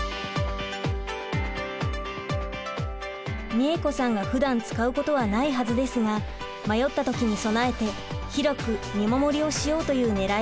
みえ子さんがふだん使うことはないはずですが迷った時に備えて広く見守りをしようというねらいです。